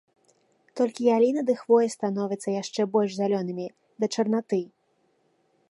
Толькі яліна ды хвоя становяцца яшчэ больш зялёнымі, да чарнаты.